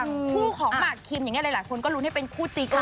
คู่ของหมากคิมอย่างนี้หลายคนก็ลุ้นให้เป็นคู่จีกัน